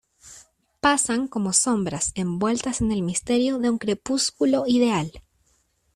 pasan como sombras, envueltas en el misterio de un crepúsculo ideal.